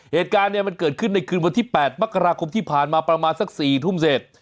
เหตุการณ์เนี่ยมันเกิดขึ้นในคืนวันที่๘มกราคมที่ผ่านมาประมาณสัก๔ทุ่มเสร็จ